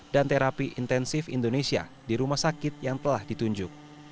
dan terapi intensif indonesia di rumah sakit yang telah ditunjuk